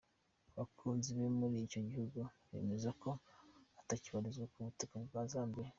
Abakunzi be muri icyo gihugu bemeza ko atakibarizwa ku butaka bwa Zambia.